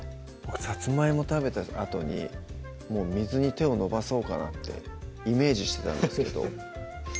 さつまいも食べたあとに水に手を伸ばそうかなってイメージしてたんですけど